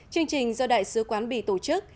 chương trình do đại sứ quán bỉ tổ chức